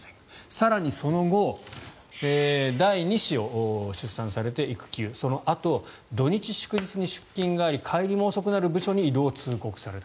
更にその後第２子を出産されて育休そのあと土日祝日に出勤があり帰りも遅くなる部署に異動を通告された。